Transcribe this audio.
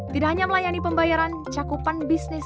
tidak hanya melayani pembayaran cakupan bisnis